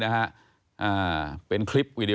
ผมก็ให้ผ่านแต่แรกปี